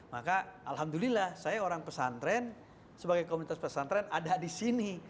maka alhamdulillah saya orang pesantren sebagai komunitas pesantren ada di sini